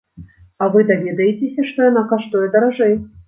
А вы даведаецеся, што яна каштуе даражэй.